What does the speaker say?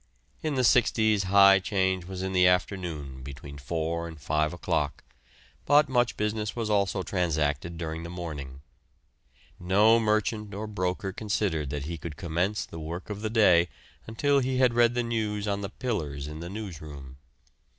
In the 'sixties high 'change was in the afternoon between four and five o'clock, but much business was also transacted during the morning. No merchant or broker considered that he could commence the work of the day until he had read the news on the "pillars" in the newsroom.